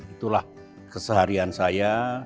itulah keseharian saya